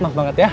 maaf banget ya